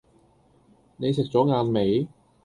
你食左晏未？